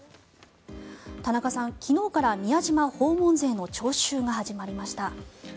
田中さん、昨日から宮島訪問税の徴収が始まりました。